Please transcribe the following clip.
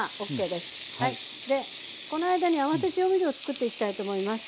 でこの間に合わせ調味料をつくっていきたいと思います。